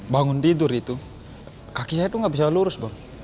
bangun tidur itu kaki saya tuh nggak bisa lurus